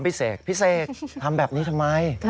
เสกพี่เสกทำแบบนี้ทำไม